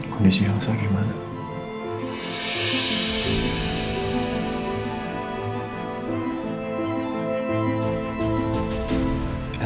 kondisi rasa gimana